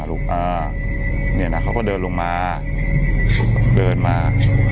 อ่าลูกอ่าเนี้ยน่ะเขาก็เดินลงมาเดินมา